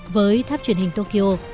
với tháp truyền hình tokyo